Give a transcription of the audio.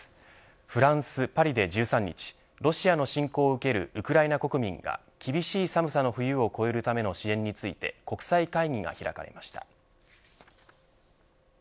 フランス、パリで１３日ロシアの侵攻を受けるウクライナ国民が厳しい寒さを越えるための支援について国際会議が開かれました。